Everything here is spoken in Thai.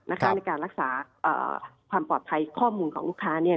ในการรักษาความปลอดภัยข้อมูลของลูกค้า